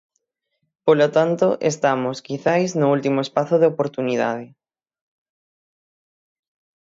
Polo tanto, estamos, quizais, no último espazo de oportunidade.